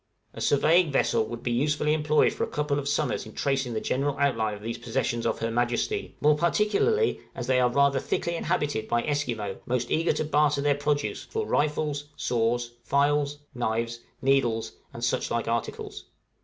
A surveying vessel would be usefully employed for a couple of summers in tracing the general outline of these possessions of Her Majesty, more particularly as they are rather thickly inhabited by Esquimaux most eager to barter their produce for rifles, saws, files, knives, needles, and such like articles.